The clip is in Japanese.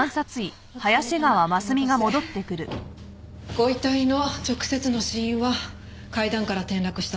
ご遺体の直接の死因は階段から転落した際に負った脳挫傷。